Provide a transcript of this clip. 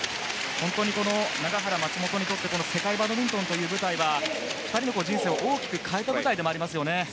本当に永原、松本にとって世界バドミントンという舞台は２人の人生を大きく変えた舞台でもありますよね。